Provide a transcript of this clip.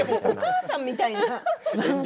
お母さんみたいな。